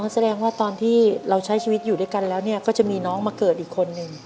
แสดงว่าตอนที่เราใช้ชีวิตอยู่ด้วยกันแล้วก็จะมีน้องมาเกิดอีกคนนึง